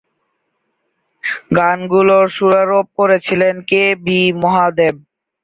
গানগুলোর সুরারোপ করেছিলেন K V Mahadev.